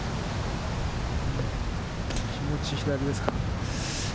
気持ち左ですか？